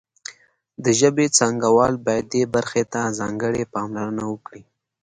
د ژبې څانګوال باید دې برخې ته ځانګړې پاملرنه وکړي